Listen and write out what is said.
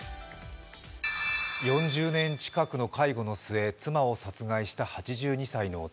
４０年近くの介護の末妻を殺害した８２歳の夫。